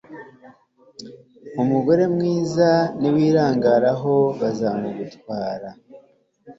umugore mwiza niwirangaraho bazamugutwara